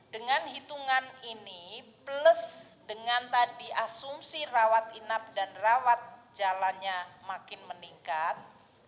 dengan hitungan ini plus dengan tadi asumsi rawat inap dan rawat jalannya makin meningkat